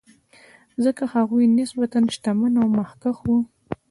ځکه هغوی نسبتا شتمن او مخکښ وو.